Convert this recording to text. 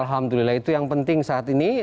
alhamdulillah itu yang penting saat ini